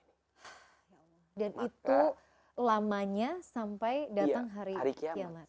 dan itu lamanya sampai datang hari kiamat